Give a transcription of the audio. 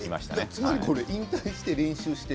つまりこれ引退して練習して